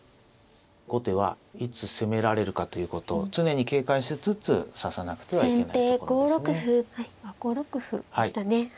後手はいつ攻められるかということを常に警戒しつつ指さなくてはいけないところですね。